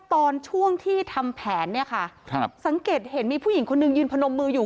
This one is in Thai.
ตอนช่วงที่ทำแผนเนี่ยค่ะครับสังเกตเห็นมีผู้หญิงคนนึงยืนพนมมืออยู่